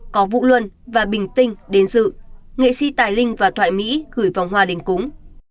có vũ luân và bình tinh đến dự nghệ sĩ tài linh và thoại mỹ gửi vòng hoa đến cúng